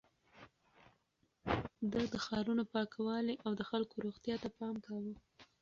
ده د ښارونو پاکوالي او د خلکو روغتيا ته پام کاوه.